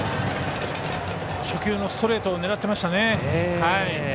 初球のストレートを狙ってましたね。